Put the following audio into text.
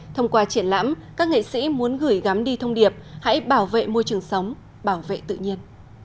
thông qua triển lãm các nghệ sĩ muốn gửi gắm đi thông điệp hãy bảo vệ môi trường sống bảo vệ tự nhiên